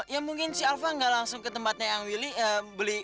ya mungkin si alva gak langsung ke tempatnya eang willy